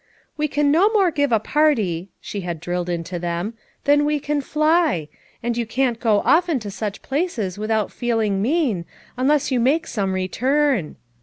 "We can no more give a party," she had drilled into them, "than we can fly! and you can't go often to such places without feeling mean, unless you FOUE MOTHERS AT CHAUTAUQUA 299 make some return."